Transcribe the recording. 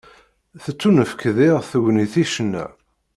Tettunefk diɣ tegnit i ccna.